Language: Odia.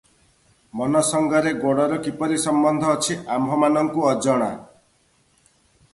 ମନ ସଙ୍ଗରେ ଗୋଡ଼ର କିପରି ସମ୍ବନ୍ଧ ଅଛି ଆମ୍ଭମାନଙ୍କୁ ଅଜଣା ।